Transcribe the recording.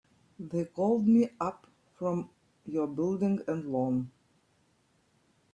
They called me up from your Building and Loan.